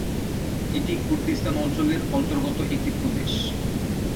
এটি কুর্দিস্তান অঞ্চলের অন্তর্গত একটি প্রদেশ।